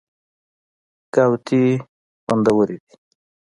ګاوتې خوندورې دي.